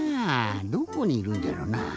どこにいるんじゃろなぁ？